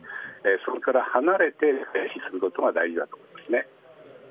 それから離れて避難することが大事だと思いますね。